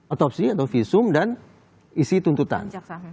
otopsi atau visum dan isi tuntutan